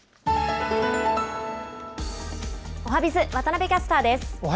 おはＢｉｚ、渡部キャスターです。